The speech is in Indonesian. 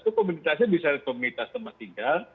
itu komunitasnya bisa ada komunitas tempat tinggal